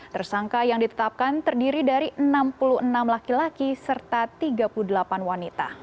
tersangka yang ditetapkan terdiri dari enam puluh enam laki laki serta tiga puluh delapan wanita